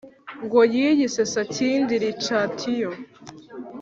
Ngo yiyise Sakindi Richatio